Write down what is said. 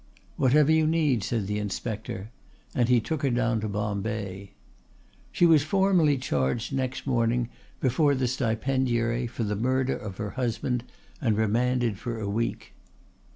"Whatever you need," said the Inspector. And he took her down to Bombay. She was formally charged next morning before the stipendiary for the murder of her husband and remanded for a week.